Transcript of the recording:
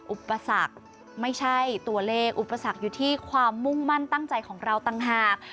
อุปสรรคไม่ใช่ตัวเลขอุปสรรคอยู่ที่ความมุ่งมั่นตั้งใจของเราต่างหาก